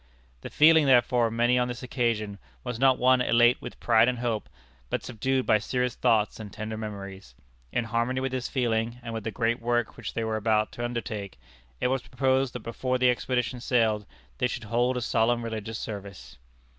The feeling, therefore, of many on this occasion, was not one elate with pride and hope, but subdued by serious thoughts and tender memories. In harmony with this feeling, and with the great work which they were about to undertake, it was proposed that before the expedition sailed they should hold a solemn religious service.